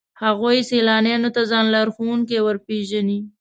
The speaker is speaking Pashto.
هغوی سیلانیانو ته ځان لارښوونکي ورپېژني.